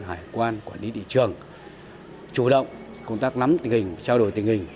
hải quan quản lý thị trường chủ động công tác nắm tình hình trao đổi tình hình